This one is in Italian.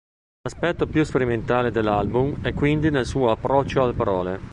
L'aspetto più sperimentale dell'album è quindi nel suo approccio alle parole.